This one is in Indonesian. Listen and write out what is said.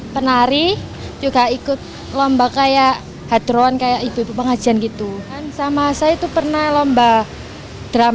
penari juga ikut lomba kayak hadron kayak itu pengajian gitu sama saya itu pernah lomba drum